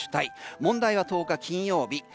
問題は１０日、金曜日。